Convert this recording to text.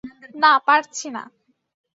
না, পারছি না।